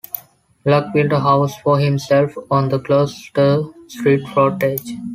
Luck built a house for himself on the Gloucester Street frontage.